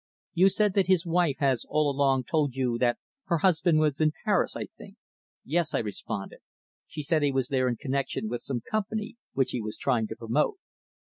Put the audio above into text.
You said that his wife has all along told you that her husband was in Paris I think?" "Yes," I responded. "She said he was there in connexion with some company which he was trying to promote."